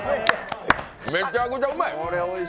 めちゃくちゃうまい。